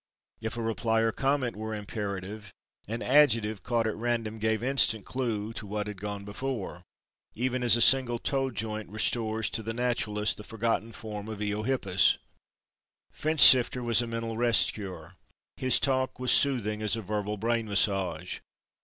If a reply or comment were imperative—an adjective caught at random gave instant clue to what had gone before—even as a single toe joint restores to the naturalist the forgotten form of the Iohippus. Finchsifter was a mental rest cure, his talk was soothing as a verbal brain massage.